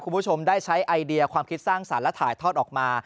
คุณผู้ชมได้ใช้ไอเดียความคิดสร้างสรรค์และถ่ายทอดออกมา